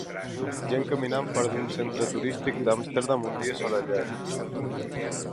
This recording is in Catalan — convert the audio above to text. Gent caminant fora d'un centre turístic d'Amsterdam un dia assolellat.